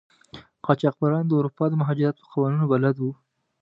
قاچاقبران د اروپا د مهاجرت په قوانینو بلد وو.